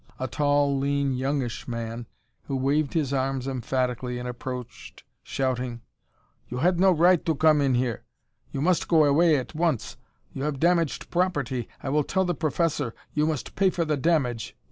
A tall, lean, youngish man who waved his arms emphatically and approached shouting: "You had no right to come in here! You must go away at once! You have damaged property! I will tell the Professor! You must pay for the damage!